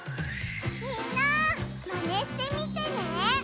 みんなマネしてみてね！